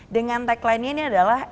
dengan tagline ini adalah